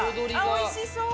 おいしそう。